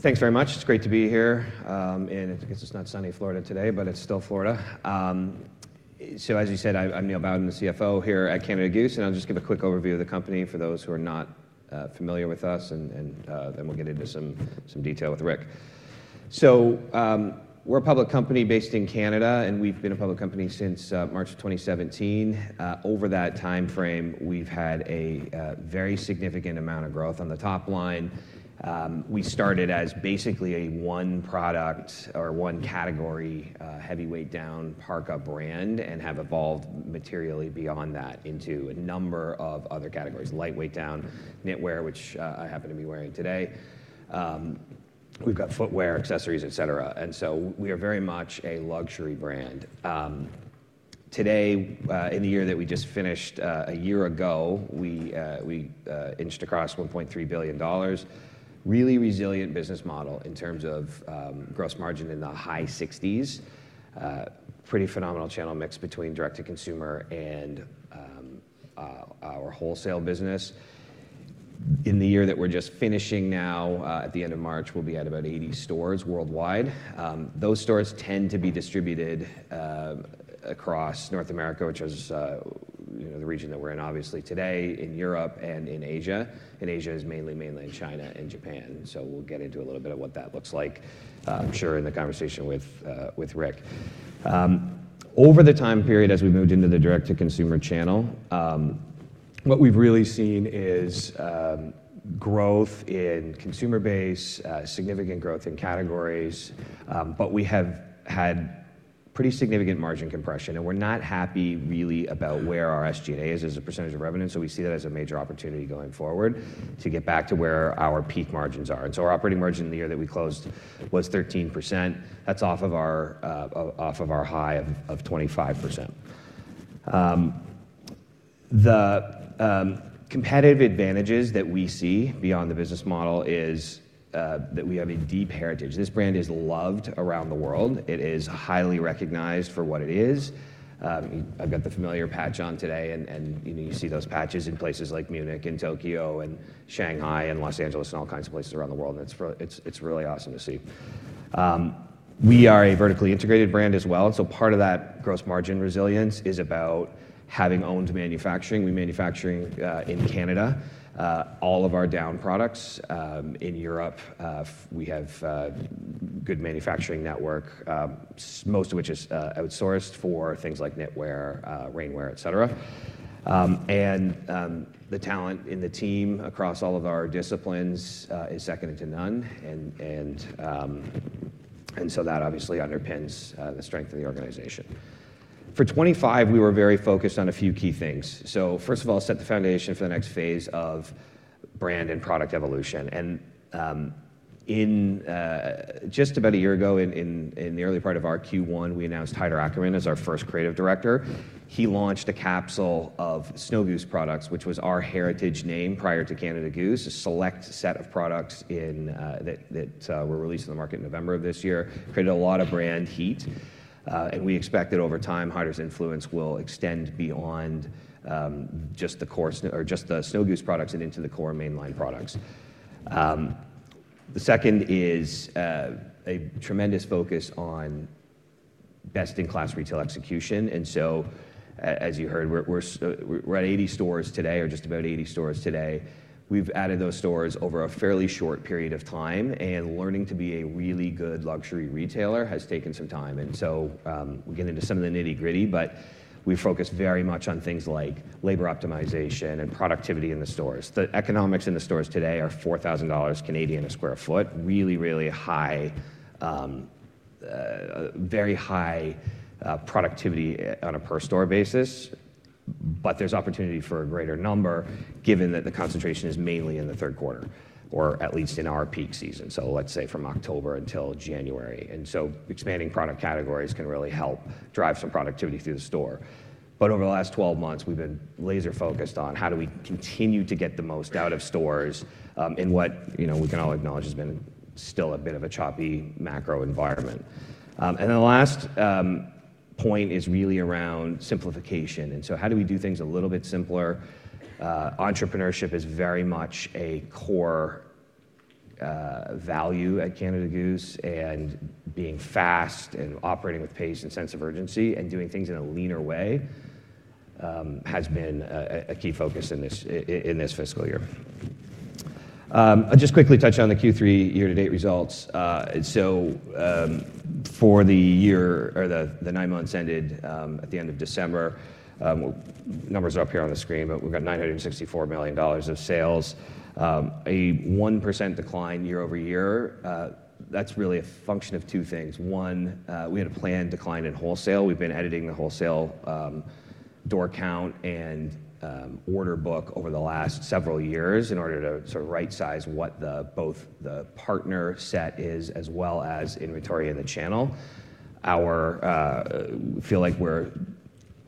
Thanks very much. It's great to be here. It's just not sunny Florida today, but it's still Florida. As you said, I'm Neil Bowden, the CFO here at Canada Goose. I'll just give a quick overview of the company for those who are not familiar with us. Then we'll get into some detail with Rick. We're a public company based in Canada. We've been a public company since March 2017. Over that time frame, we've had a very significant amount of growth on the top line. We started as basically a one product or one category heavyweight down parka brand and have evolved materially beyond that into a number of other categories: lightweight down, knitwear, which I happen to be wearing today. We've got footwear, accessories, et cetera. We are very much a luxury brand. Today, in the year that we just finished a year ago, we inched across 1.3 billion dollars. Really resilient business model in terms of gross margin in the high 60s. Pretty phenomenal channel mix between direct-to-consumer and our wholesale business. In the year that we're just finishing now, at the end of March, we'll be at about 80 stores worldwide. Those stores tend to be distributed across North America, which is the region that we're in obviously today, in Europe and in Asia. In Asia is mainly, mainly in China and Japan. We will get into a little bit of what that looks like, I'm sure, in the conversation with Rick. Over the time period as we moved into the direct-to-consumer channel, what we've really seen is growth in consumer base, significant growth in categories. We have had pretty significant margin compression. We are not happy really about where our SG&A is as a percentage of revenue. We see that as a major opportunity going forward to get back to where our peak margins are. Our operating margin in the year that we closed was 13%. That is off of our high of 25%. The competitive advantages that we see beyond the business model is that we have a deep heritage. This brand is loved around the world. It is highly recognized for what it is. I have got the familiar patch on today. You see those patches in places like Munich and Tokyo and Shanghai and Los Angeles and all kinds of places around the world. It is really awesome to see. We are a vertically integrated brand as well. Part of that gross margin resilience is about having owned manufacturing. We manufacture in Canada all of our down products. In Europe, we have a good manufacturing network, most of which is outsourced for things like knitwear, rainwear, et cetera. The talent in the team across all of our disciplines is second to none. That obviously underpins the strength of the organization. For 2025, we were very focused on a few key things. First of all, set the foundation for the next phase of brand and product evolution. Just about a year ago in the early part of our Q1, we announced Haider Ackermann as our first creative director. He launched a capsule of Snow Goose products, which was our heritage name prior to Canada Goose, a select set of products that were released to the market in November of this year. Created a lot of brand heat. We expect that over time, Haider's influence will extend beyond just the Snow Goose products and into the core mainline products. The second is a tremendous focus on best-in-class retail execution. As you heard, we are at 80 stores today or just about 80 stores today. We have added those stores over a fairly short period of time. Learning to be a really good luxury retailer has taken some time. We get into some of the nitty-gritty. We focus very much on things like labor optimization and productivity in the stores. The economics in the stores today are 4,000 Canadian dollars a square foot. Really, really high, very high productivity on a per-store basis. There is opportunity for a greater number given that the concentration is mainly in the third quarter or at least in our peak season. Let's say from October until January. Expanding product categories can really help drive some productivity through the store. Over the last 12 months, we've been laser-focused on how do we continue to get the most out of stores in what we can all acknowledge has been still a bit of a choppy macro environment. The last point is really around simplification. How do we do things a little bit simpler? Entrepreneurship is very much a core value at Canada Goose. Being fast and operating with pace and sense of urgency and doing things in a leaner way has been a key focus in this fiscal year. I'll just quickly touch on the Q3 year-to-date results. For the year or the nine months ended at the end of December, numbers are up here on the screen, but we've got 964 million dollars of sales. A 1% decline year-over-year. That is really a function of two things. One, we had a planned decline in wholesale. We have been editing the wholesale door count and order book over the last several years in order to sort of right-size what both the partner set is as well as inventory in the channel. We feel like we are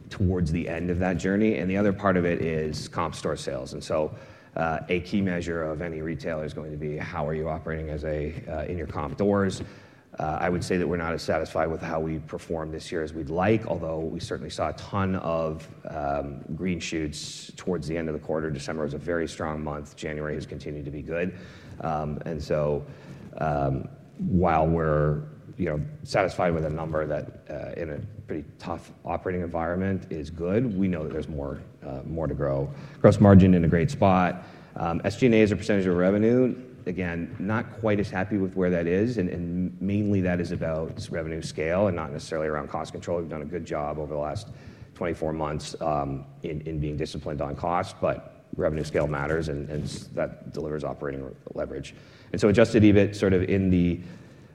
towards the end of that journey. The other part of it is comp store sales. A key measure of any retailer is going to be, how are you operating in your comp doors? I would say that we are not as satisfied with how we performed this year as we would like, although we certainly saw a ton of green shoots towards the end of the quarter. December was a very strong month. January has continued to be good. While we're satisfied with a number that in a pretty tough operating environment is good, we know that there's more to grow. Gross margin in a great spot. SG&A as a percentage of revenue. Again, not quite as happy with where that is. Mainly that is about revenue scale and not necessarily around cost control. We've done a good job over the last 24 months in being disciplined on cost. Revenue scale matters. That delivers operating leverage. Adjusted EBIT sort of in the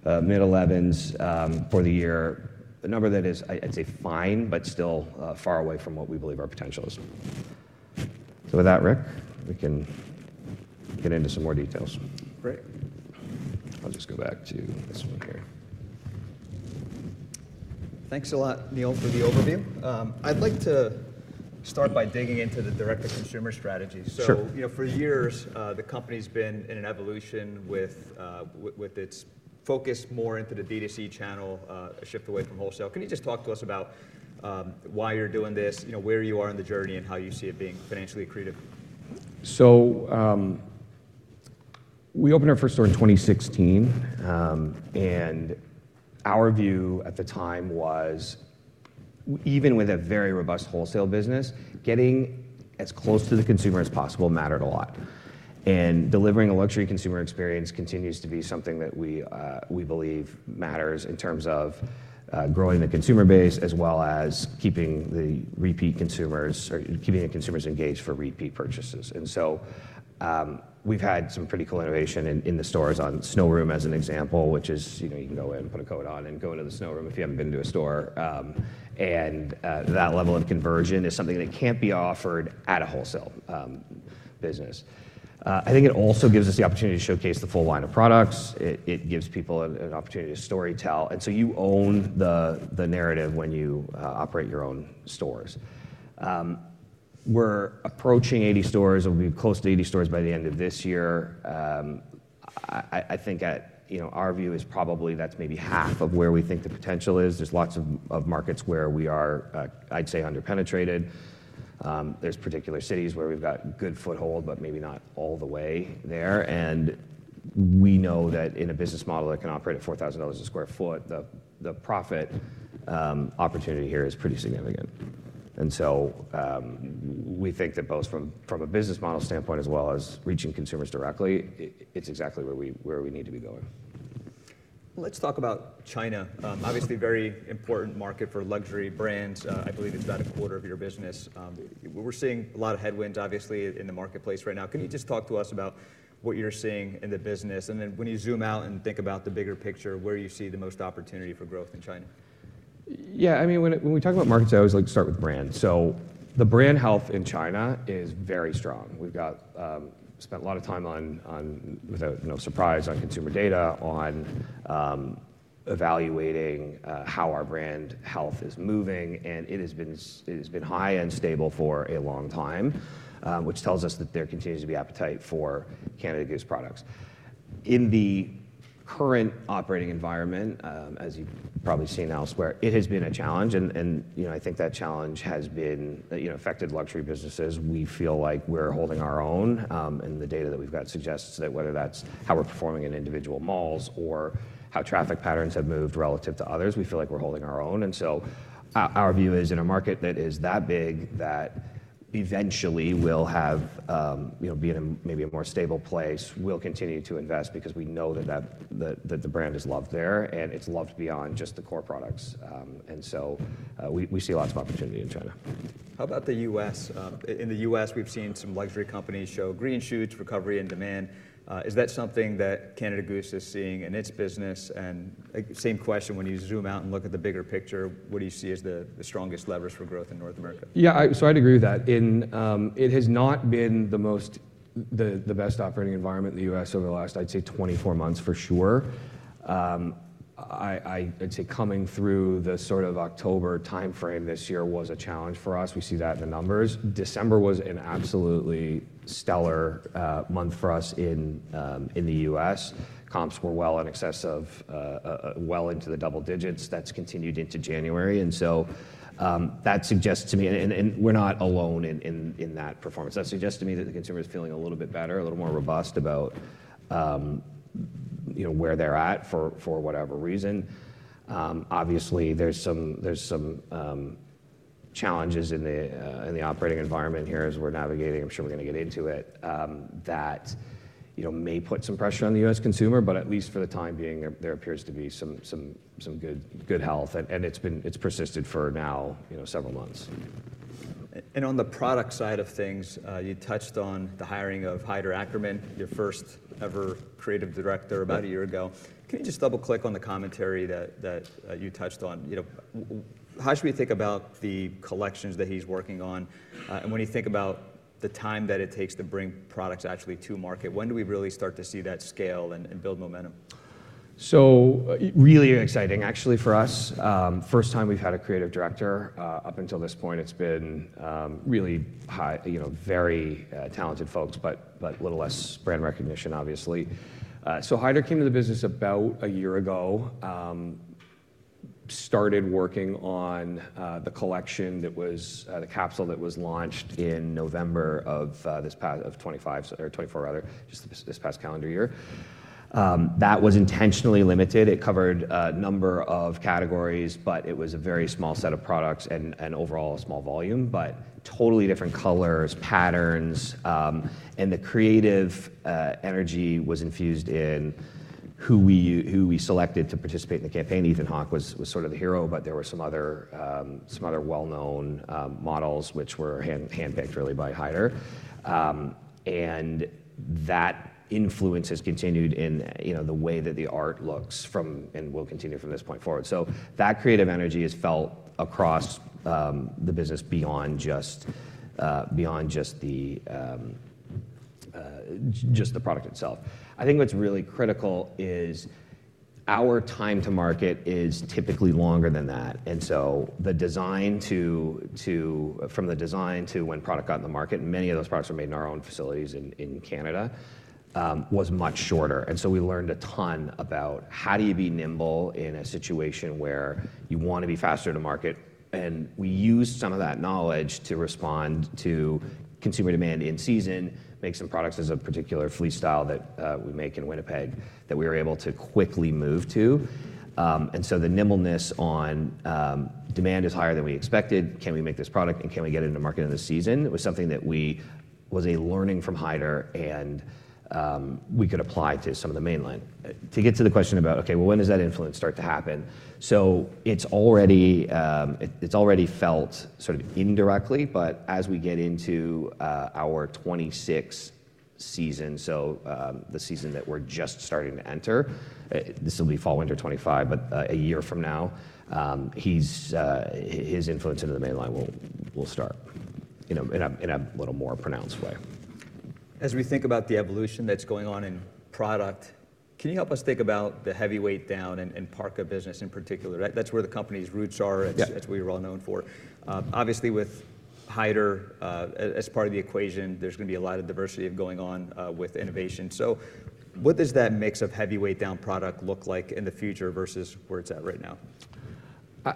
mid-11s for the year. A number that is, I'd say, fine, but still far away from what we believe our potential is. With that, Rick, we can get into some more details. Great. I'll just go back to this one here. Thanks a lot, Neil, for the overview. I'd like to start by digging into the direct-to-consumer strategy. For years, the company's been in an evolution with its focus more into the DTC channel, a shift away from wholesale. Can you just talk to us about why you're doing this, where you are in the journey, and how you see it being financially accretive? We opened our first store in 2016. Our view at the time was, even with a very robust wholesale business, getting as close to the consumer as possible mattered a lot. Delivering a luxury consumer experience continues to be something that we believe matters in terms of growing the consumer base as well as keeping the repeat consumers or keeping the consumers engaged for repeat purchases. We've had some pretty cool innovation in the stores on Snow Room as an example, which is you can go in, put a coat on, and go into the Snow Room if you haven't been to a store. That level of conversion is something that can't be offered at a wholesale business. I think it also gives us the opportunity to showcase the full line of products. It gives people an opportunity to storytell. You own the narrative when you operate your own stores. We're approaching 80 stores. We'll be close to 80 stores by the end of this year. I think our view is probably that's maybe half of where we think the potential is. There are lots of markets where we are, I'd say, under-penetrated. There are particular cities where we've got a good foothold, but maybe not all the way there. We know that in a business model that can operate at $4,000 a square foot, the profit opportunity here is pretty significant. We think that both from a business model standpoint as well as reaching consumers directly, it's exactly where we need to be going. Let's talk about China. Obviously, very important market for luxury brands. I believe it's about a quarter of your business. We're seeing a lot of headwinds, obviously, in the marketplace right now. Can you just talk to us about what you're seeing in the business? When you zoom out and think about the bigger picture, where do you see the most opportunity for growth in China? Yeah. I mean, when we talk about markets, I always like to start with brands. The brand health in China is very strong. We've spent a lot of time, without surprise, on consumer data, on evaluating how our brand health is moving. It has been high and stable for a long time, which tells us that there continues to be appetite for Canada Goose products. In the current operating environment, as you've probably seen elsewhere, it has been a challenge. I think that challenge has affected luxury businesses. We feel like we're holding our own. The data that we've got suggests that whether that's how we're performing in individual malls or how traffic patterns have moved relative to others, we feel like we're holding our own. Our view is in a market that is that big that eventually will be in maybe a more stable place, we'll continue to invest because we know that the brand is loved there. It's loved beyond just the core products. We see lots of opportunity in China. How about the U.S.? In the U.S., we've seen some luxury companies show green shoots, recovery in demand. Is that something that Canada Goose is seeing in its business? Same question, when you zoom out and look at the bigger picture, what do you see as the strongest levers for growth in North America? Yeah. I would agree with that. It has not been the best operating environment in the U.S. over the last, I would say, 24 months for sure. I would say coming through the sort of October time frame this year was a challenge for us. We see that in the numbers. December was an absolutely stellar month for us in the U.S. Comps were well in excess of, well into the double digits. That has continued into January. That suggests to me, and we are not alone in that performance, that the consumer is feeling a little bit better, a little more robust about where they are at for whatever reason. Obviously, there are some challenges in the operating environment here as we are navigating. I am sure we are going to get into it that may put some pressure on the U.S. consumer. At least for the time being, there appears to be some good health. It has persisted for now several months. On the product side of things, you touched on the hiring of Haider Ackermann, your first ever creative director about a year ago. Can you just double-click on the commentary that you touched on? How should we think about the collections that he's working on? When you think about the time that it takes to bring products actually to market, when do we really start to see that scale and build momentum? Really exciting, actually, for us. First time we've had a creative director. Up until this point, it's been really high, very talented folks, but a little less brand recognition, obviously. Haider came to the business about a year ago, started working on the collection that was the capsule that was launched in November of this past 2024, rather, just this past calendar year. That was intentionally limited. It covered a number of categories, but it was a very small set of products and overall a small volume, but totally different colors, patterns. The creative energy was infused in who we selected to participate in the campaign. Ethan Hawke was sort of the hero, but there were some other well-known models which were handpicked really by Haider. That influence has continued in the way that the art looks and will continue from this point forward. That creative energy is felt across the business just beyond just the product itself. I think what's really critical is our time to market is typically longer than that. From the design to when product got in the market, many of those products were made in our own facilities in Canada was much shorter. We learned a ton about how do you be nimble in a situation where you want to be faster to market. We used some of that knowledge to respond to consumer demand in season, make some products as a particular fleece style that we make in Winnipeg that we were able to quickly move to. The nimbleness on demand is higher than we expected. Can we make this product? Can we get it into market in the season? It was something that we was a learning from Haider. And we could apply to some of the mainline. To get to the question about, OK, well, when does that influence start to happen? It's already felt sort of indirectly. As we get into our 2026 season, so the season that we're just starting to enter, this will be Fall/Winter 2025, but a year from now, his influence into the mainline will start in a little more pronounced way. As we think about the evolution that's going on in product, can you help us think about the heavyweight down and parka business in particular? That's where the company's roots are, as we are all known for. Obviously, with Haider as part of the equation, there's going to be a lot of diversity going on with innovation. What does that mix of heavyweight down product look like in the future versus where it's at right now?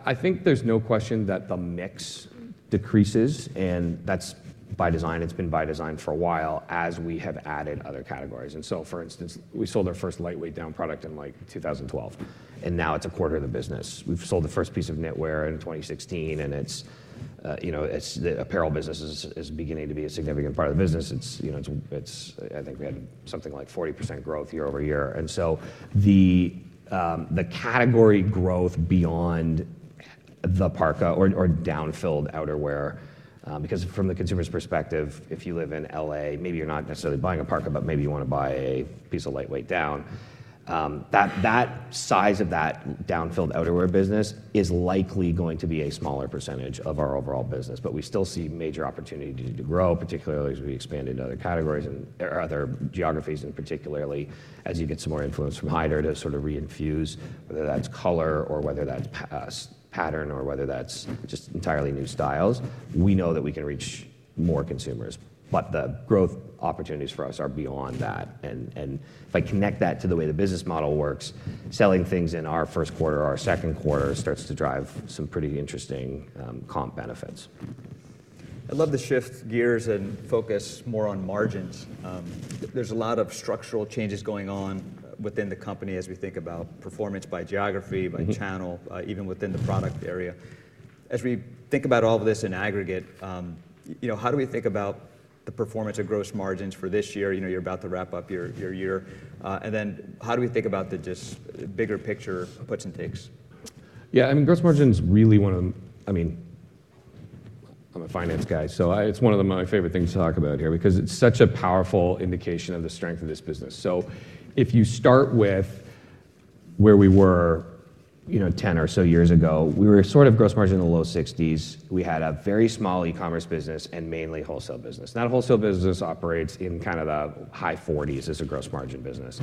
I think there's no question that the mix decreases. That's by design. It's been by design for a while as we have added other categories. For instance, we sold our first lightweight down product in 2012. Now it's a quarter of the business. We've sold the first piece of knitwear in 2016. The apparel business is beginning to be a significant part of the business. I think we had something like 40% growth year over year. The category growth beyond the parka or downfilled outerwear, because from the consumer's perspective, if you live in Los Angeles, maybe you're not necessarily buying a parka, but maybe you want to buy a piece of lightweight down, that size of that downfilled outerwear business is likely going to be a smaller percentage of our overall business. We still see major opportunity to grow, particularly as we expand into other categories and other geographies, and particularly as you get some more influence from Haider to sort of reinfuse, whether that's color or whether that's pattern or whether that's just entirely new styles. We know that we can reach more consumers. The growth opportunities for us are beyond that. If I connect that to the way the business model works, selling things in our first quarter or our second quarter starts to drive some pretty interesting comp benefits. I'd love to shift gears and focus more on margins. There's a lot of structural changes going on within the company as we think about performance by geography, by channel, even within the product area. As we think about all of this in aggregate, how do we think about the performance of gross margins for this year? You're about to wrap up your year. How do we think about the just bigger picture puts and takes? Yeah. I mean, gross margin is really one of—I mean, I'm a finance guy. So it's one of my favorite things to talk about here because it's such a powerful indication of the strength of this business. If you start with where we were 10 or so years ago, we were sort of gross margin in the low 60s. We had a very small e-commerce business and mainly wholesale business. Now, the wholesale business operates in kind of the high 40s as a gross margin business.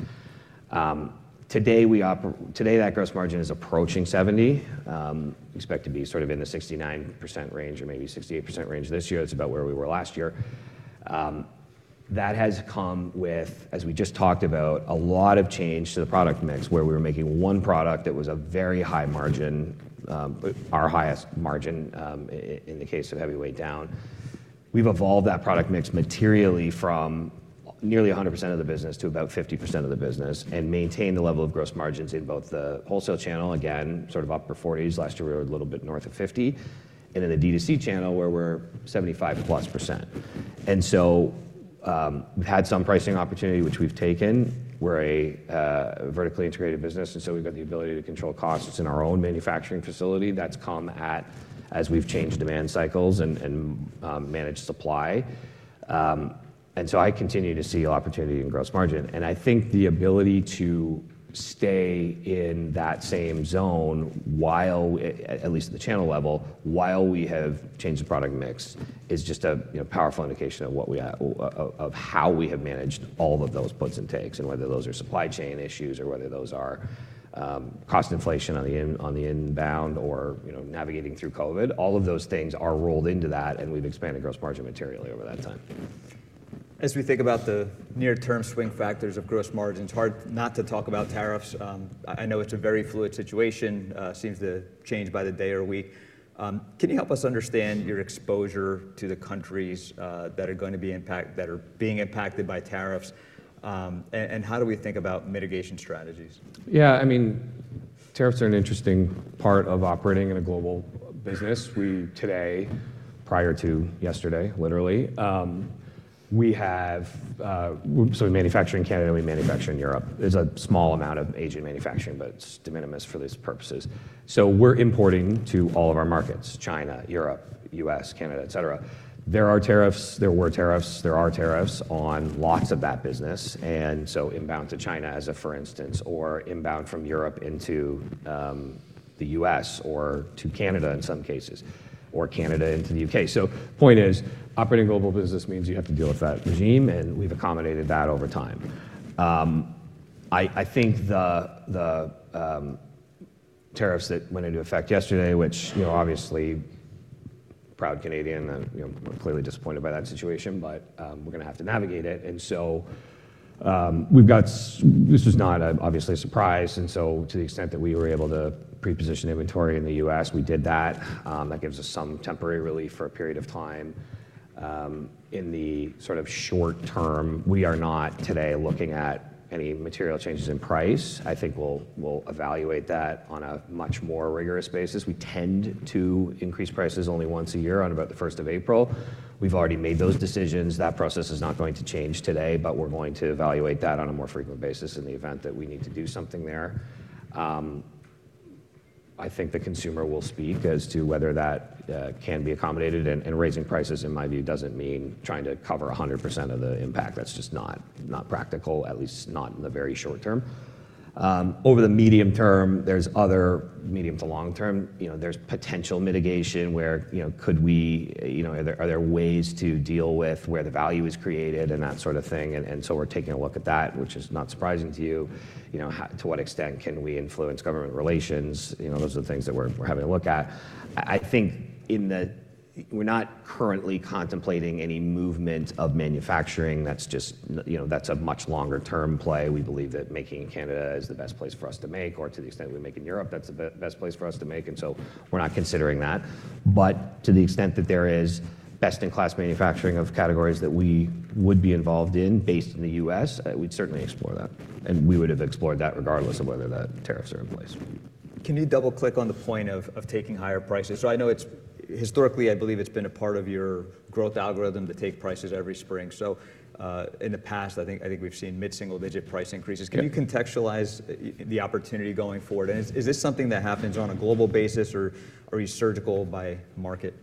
Today, that gross margin is approaching 70%. We expect to be sort of in the 69% range or maybe 68% range this year. That's about where we were last year. That has come with, as we just talked about, a lot of change to the product mix where we were making one product that was a very high margin, our highest margin in the case of heavyweight down. We have evolved that product mix materially from nearly 100% of the business to about 50% of the business and maintained the level of gross margins in both the wholesale channel, again, sort of upper 40s. Last year, we were a little bit north of 50%. In the DTC channel, we are 75% plus. We have had some pricing opportunity, which we have taken. We are a vertically integrated business. We have the ability to control costs in our own manufacturing facility. That has come as we have changed demand cycles and managed supply. I continue to see opportunity in gross margin.I think the ability to stay in that same zone while, at least at the channel level, while we have changed the product mix is just a powerful indication of how we have managed all of those puts and takes and whether those are supply chain issues or whether those are cost inflation on the inbound or navigating through COVID. All of those things are rolled into that. We have expanded gross margin materially over that time. As we think about the near-term swing factors of gross margins, hard not to talk about tariffs. I know it's a very fluid situation. It seems to change by the day or week. Can you help us understand your exposure to the countries that are going to be impacted by tariffs? How do we think about mitigation strategies? Yeah. I mean, tariffs are an interesting part of operating in a global business. Today, prior to yesterday, literally, we have—so we manufacture in Canada. We manufacture in Europe. There's a small amount of Asian manufacturing, but it's de minimis for these purposes. We're importing to all of our markets: China, Europe, U.S., Canada, et cetera. There are tariffs. There were tariffs. There are tariffs on lots of that business. Inbound to China as a, for instance, or inbound from Europe into the U.S. or to Canada in some cases or Canada into the U.K. The point is, operating a global business means you have to deal with that regime. We've accommodated that over time. I think the tariffs that went into effect yesterday, which obviously, proud Canadian, I'm clearly disappointed by that situation. We're going to have to navigate it. This is not obviously a surprise. To the extent that we were able to pre-position inventory in the U.S., we did that. That gives us some temporary relief for a period of time. In the sort of short term, we are not today looking at any material changes in price. I think we'll evaluate that on a much more rigorous basis. We tend to increase prices only once a year on about the 1st of April. We've already made those decisions. That process is not going to change today. We are going to evaluate that on a more frequent basis in the event that we need to do something there. I think the consumer will speak as to whether that can be accommodated. Raising prices, in my view, does not mean trying to cover 100% of the impact. That's just not practical, at least not in the very short term. Over the medium term, there's other medium to long term. There's potential mitigation where could we—are there ways to deal with where the value is created and that sort of thing? We're taking a look at that, which is not surprising to you. To what extent can we influence government relations? Those are the things that we're having to look at. I think we're not currently contemplating any movement of manufacturing. That's a much longer-term play. We believe that making in Canada is the best place for us to make, or to the extent we make in Europe, that's the best place for us to make. We're not considering that. To the extent that there is best-in-class manufacturing of categories that we would be involved in based in the U.S., we'd certainly explore that. We would have explored that regardless of whether the tariffs are in place. Can you double-click on the point of taking higher prices? I know historically, I believe it's been a part of your growth algorithm to take prices every spring. In the past, I think we've seen mid-single-digit price increases. Can you contextualize the opportunity going forward? Is this something that happens on a global basis, or are you surgical by market?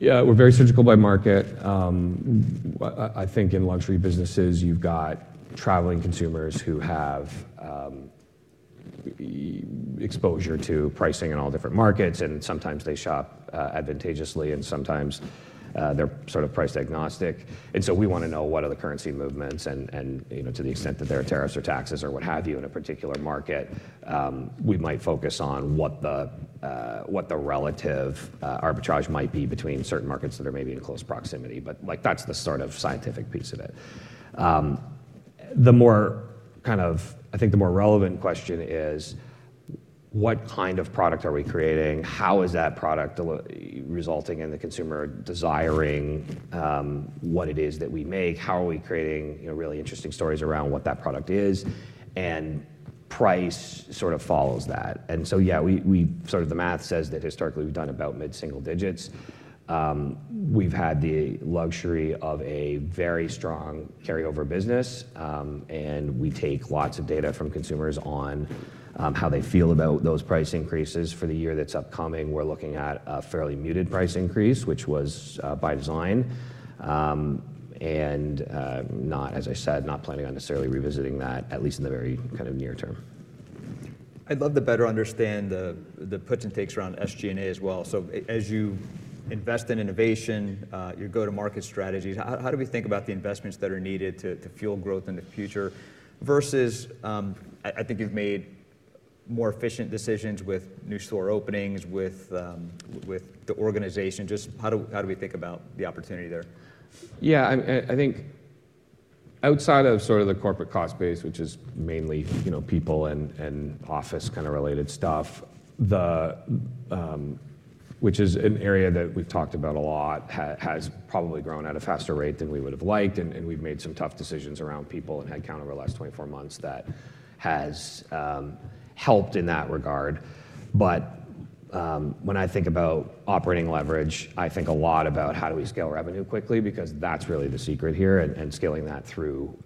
Yeah. We're very surgical by market. I think in luxury businesses, you've got traveling consumers who have exposure to pricing in all different markets. Sometimes they shop advantageously. Sometimes they're sort of price agnostic. We want to know what are the currency movements. To the extent that there are tariffs or taxes or what have you in a particular market, we might focus on what the relative arbitrage might be between certain markets that are maybe in close proximity. That's the sort of scientific piece of it. I think the more relevant question is, what kind of product are we creating? How is that product resulting in the consumer desiring what it is that we make? How are we creating really interesting stories around what that product is? Price sort of follows that. Yeah, sort of the math says that historically we've done about mid-single digits. We've had the luxury of a very strong carryover business. We take lots of data from consumers on how they feel about those price increases. For the year that's upcoming, we're looking at a fairly muted price increase, which was by design. As I said, not planning on necessarily revisiting that, at least in the very kind of near term. I'd love to better understand the puts and takes around SG&A as well. As you invest in innovation, your go-to-market strategies, how do we think about the investments that are needed to fuel growth in the future versus I think you've made more efficient decisions with new store openings, with the organization? Just how do we think about the opportunity there? Yeah. I think outside of sort of the corporate cost base, which is mainly people and office kind of related stuff, which is an area that we've talked about a lot, has probably grown at a faster rate than we would have liked. We've made some tough decisions around people and headcount over the last 24 months that has helped in that regard. When I think about operating leverage, I think a lot about how do we scale revenue quickly because that's really the secret here and scaling that through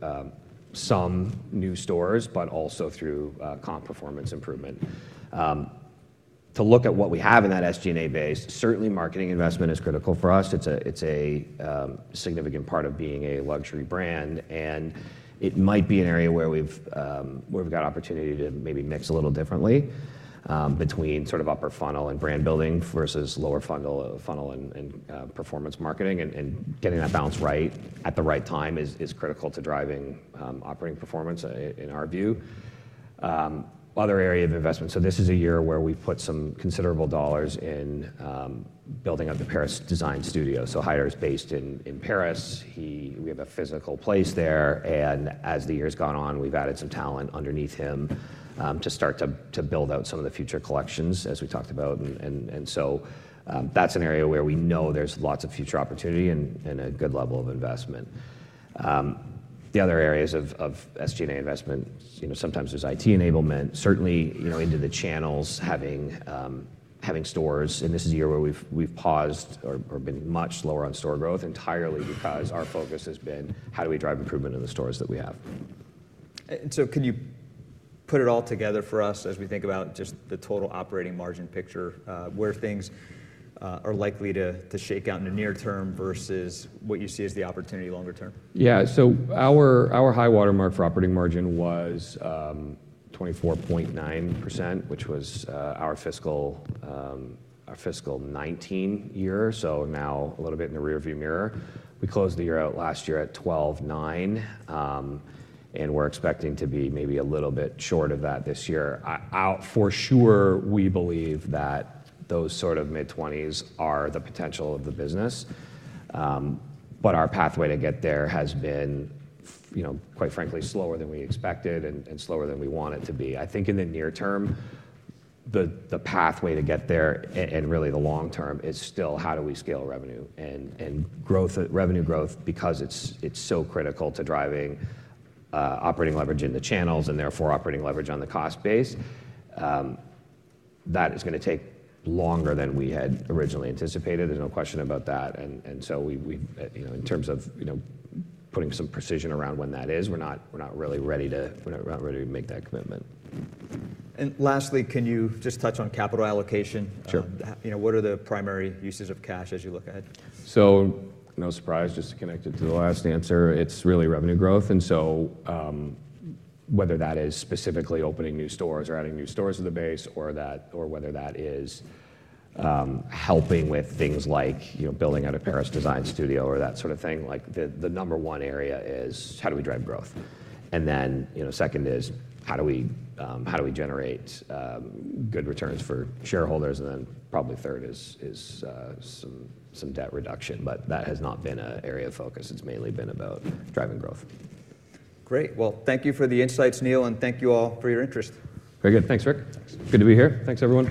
some new stores, but also through comp performance improvement. To look at what we have in that SG&A base, certainly marketing investment is critical for us. It's a significant part of being a luxury brand. It might be an area where we've got opportunity to maybe mix a little differently between sort of upper funnel and brand building versus lower funnel and performance marketing. Getting that balance right at the right time is critical to driving operating performance in our view. Other area of investment, this is a year where we've put some considerable dollars in building up the Paris design studio. Haider is based in Paris. We have a physical place there. As the year's gone on, we've added some talent underneath him to start to build out some of the future collections, as we talked about. That's an area where we know there's lots of future opportunity and a good level of investment. The other areas of SG&A investment, sometimes there's IT enablement, certainly into the channels, having stores.` This is a year where we've paused or been much slower on store growth entirely because our focus has been how do we drive improvement in the stores that we have. Can you put it all together for us as we think about just the total operating margin picture, where things are likely to shake out in the near term versus what you see as the opportunity longer term? Yeah. Our high-water mark for operating margin was 24.9%, which was our fiscal 2019 year, so now a little bit in the rearview mirror. We closed the year out last year at 12.9%. We are expecting to be maybe a little bit short of that this year. For sure, we believe that those sort of mid-20s are the potential of the business. Our pathway to get there has been, quite frankly, slower than we expected and slower than we want it to be. I think in the near term, the pathway to get there and really the long term is still how do we scale revenue and revenue growth because it is so critical to driving operating leverage in the channels and therefore operating leverage on the cost base. That is going to take longer than we had originally anticipated. There is no question about that. In terms of putting some precision around when that is, we're not really ready to make that commitment. Lastly, can you just touch on capital allocation? Sure. What are the primary uses of cash as you look ahead? No surprise, just connected to the last answer, it's really revenue growth. Whether that is specifically opening new stores or adding new stores to the base or whether that is helping with things like building out a Paris design studio or that sort of thing, the number one area is how do we drive growth. Second is how do we generate good returns for shareholders. Probably third is some debt reduction. That has not been an area of focus. It's mainly been about driving growth. Great. Thank you for the insights, Neil. Thank you all for your interest. Very good. Thanks, Rick. Good to be here. Thanks, everyone.